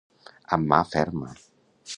Amb mà ferma.